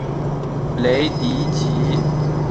雷迪奇。